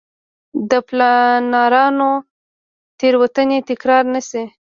د پلانرانو تېروتنې تکرار نه شي.